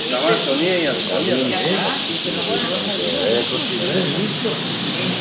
Roosali hokkitii Denɗum Tereesi teme mum.